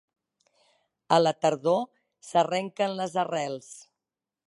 A la tardor s'arrenquen les arrels.